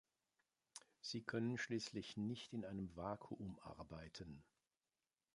Sie können schließlich nicht in einem Vakuum arbeiten.